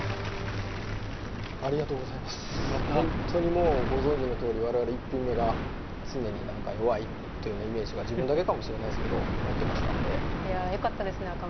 ホントにもうご存じのとおり我々一品目が常に弱いというようなイメージが自分だけかもしれないですけど持ってましたんでいやよかったですね